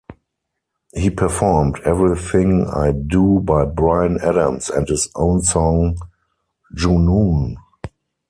He performed Everything I Do by Bryan Adams and his own song "Junoon".